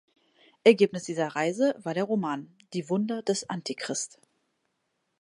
Ergebnis dieser Reise war der Roman "Die Wunder des Antichrist".